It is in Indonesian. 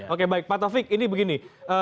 oke baik pak taufik ini begini